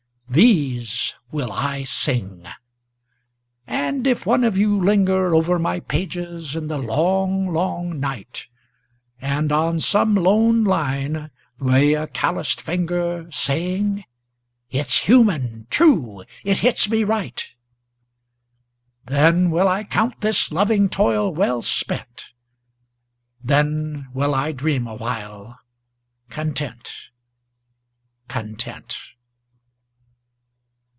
These will I sing, and if one of you linger Over my pages in the Long, Long Night, And on some lone line lay a calloused finger, Saying: "It's human true it hits me right"; Then will I count this loving toil well spent; Then will I dream awhile content, content.